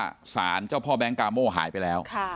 สารเจ้าพ่อแบงค์กาโม่หายไปแล้ว